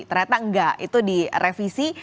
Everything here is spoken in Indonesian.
ternyata enggak itu direvisi